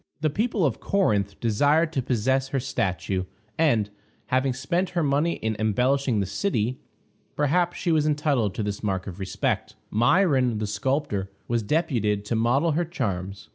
The people of Corinth desired to possess her statue, and, having spent her money in embellishing the city, perhaps she was entitled to this mark of respect. Myron, the sculptor, was deputed to model her charms.